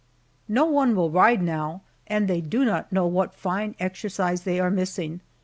No one will ride now and they do not know what fine exercise they are missing.